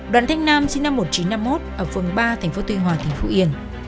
đoàn thanh nam sinh năm một nghìn chín trăm năm mươi một ở vùng ba tỉnh phú yên